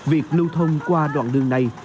việc lưu thông qua đoạn đường này